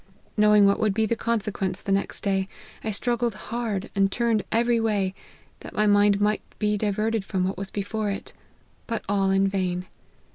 Knowing what would be the consequence the next day, I struggled hard, and turned every way, that my mind might be diverted from what^was before it ; but all in vain.